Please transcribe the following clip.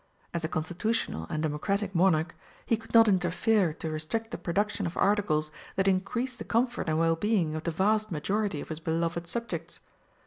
As a constitutional and democratic Monarch, he could not interfere to restrict the production of articles that increased the comfort and well being of the vast majority of his beloved subjects.